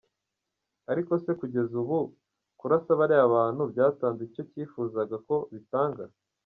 Ariko se kugeza ubu , kurasa bariya bantu byatanze icyo cyifuzaga ko bitanga?